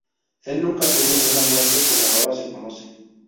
Él nunca tuvo una muerte como ahora se conoce.